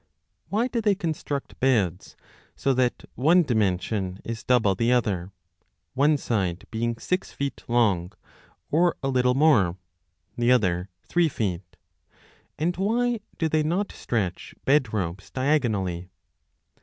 WHY do they construct beds so that one dimension is 2 8s6 b double the other, one side being six feet long or a little more, the other three feet ? And why do they not stretch bed ropes diagonally